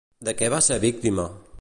De què va ser víctima?